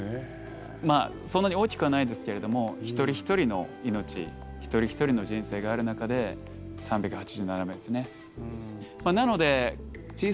まあそんなに大きくはないですけれども一人一人の命一人一人の人生がある中で３８７名ですね。